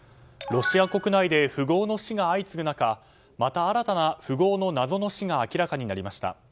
ロシア国内で富豪の死が相次ぐ中また新たな富豪の謎の死が明らかになりました。